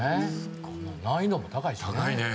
難易度も高いしね。